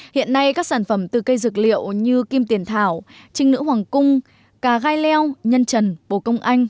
hiện nay các sản phẩm từ cây dược liệu như kim tiền thảo trinh nữ hoàng cung cà gai leo nhân trần bồ công anh